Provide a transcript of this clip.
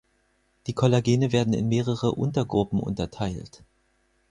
Die Kollagene werden in mehrere Untergruppen unterteilt.